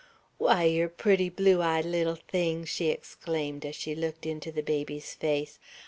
"Why, yer pooty, blue eyed little thing!" she exclaimed, as she looked into the baby's face.